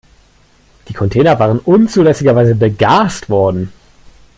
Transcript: Die Container waren unzulässigerweise begast worden.